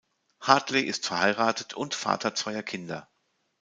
Hartley ist verheiratet und Vater zweier Kinder.